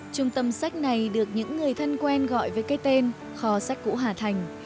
trung tâm sách này được những người thân quen gọi với cái tên kho sách cũ hà thành